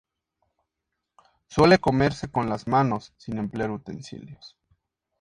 Suele comerse con las manos, sin emplear utensilios.